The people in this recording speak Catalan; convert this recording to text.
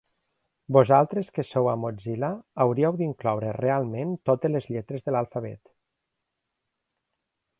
Vosaltres que sou a Mozilla haurien d'incloure realment totes les lletres de l'alfabet.